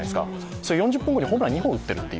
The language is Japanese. それが、４０分後にホームラン２本打ってるって。